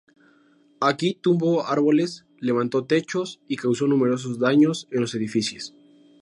Aquí tumbó árboles, levantó techos y causó numerosos daños en los edificios.